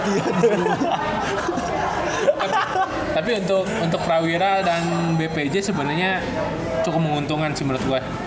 tapi untuk prawira dan bpj sebenarnya cukup menguntungkan sih menurut gue